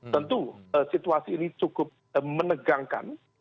tentu situasi ini cukup menegangkan